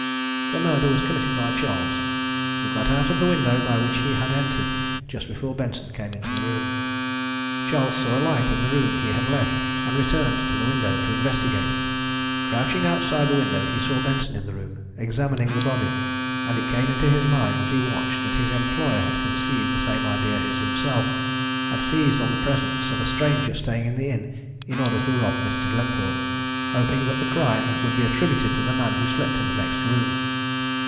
The murder was committed by Charles, who got out of the window by which he had entered just before Benson came into the room. Charles saw a light in the room he had left, and returned to the window to investigate. Crouching outside the window, he saw Benson in the room, examining the body, and it came into his mind as he watched that his employer had conceived the same idea as himself had seized on the presence of a stranger staying at the inn in order to rob Mr. Glenthorpe, hoping that the crime would be attributed to the man who slept in the next room.